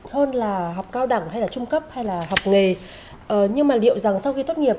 hơn là học cao đẳng hay là trung cấp hay là học nghề nhưng mà liệu rằng sau khi tốt nghiệp